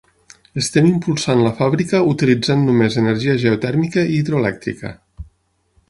Estem impulsant la fàbrica utilitzant només energia geotèrmica i hidroelèctrica.